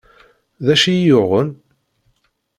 D acu i iyi-yuɣen?